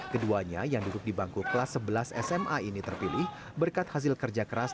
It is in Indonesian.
keduanya yang duduk di bangku kelas sebelas sma ini terpilih berkat hasil kerja keras